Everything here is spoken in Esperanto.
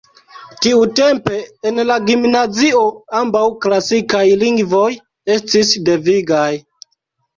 Tiutempe en la gimnazio ambaŭ klasikaj lingvoj estis devigaj.